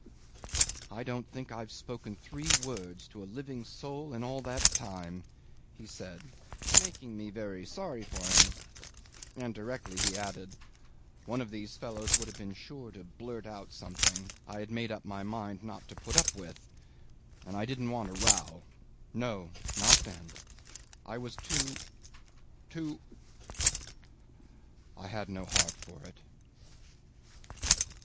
"I don't think I've spoken three words to a living soul in all that time," he said, making me very sorry for him; and directly he added, "One of these fellows would have been sure to blurt out something I had made up my mind not to put up with, and I didn't want a row. No! Not then. I was too too ... I had no heart for it."